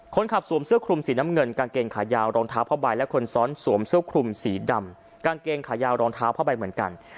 สวมเสื้อคลุมสีน้ำเงินกางเกงขายาวรองเท้าผ้าใบและคนซ้อนสวมเสื้อคลุมสีดำกางเกงขายาวรองเท้าผ้าใบเหมือนกัน